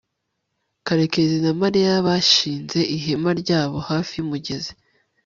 karekezi na mariya bashinze ihema ryabo hafi y'umugezi